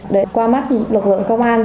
để qua mắt lực lượng công an